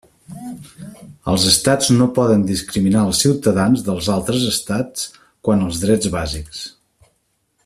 Els estats no poden discriminar els ciutadans dels altres estats quant als drets bàsics.